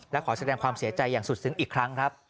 และขอแสดงความเสียใจอย่างสุดซึ้งอีกครั้งครับ